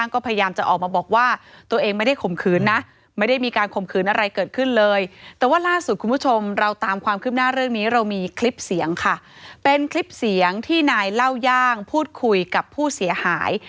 ก็จะมีคลิปเสียงค่ะเป็นคลิปเสียงที่นายเล่าย่างพูดคุยกับผู้เสียหาย